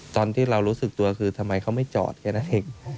ตอนที่เรารู้สึกตัวคือทำไมเขาไม่จอดแค่นั้นเอง